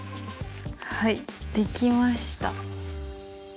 はいできました。